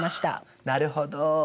なるほど。